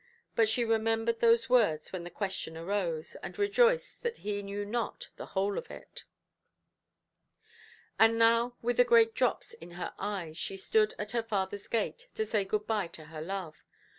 But she remembered those words when the question arose, and rejoiced that he knew not the whole of it. And now with the great drops in her eyes, she stood at her fatherʼs gate, to say good–bye to her love.